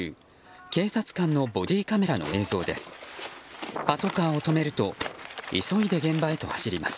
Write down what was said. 警察官のボディーカメラの映像です。